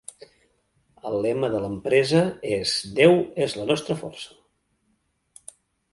El lema de l'empresa es "Déu és la nostra força".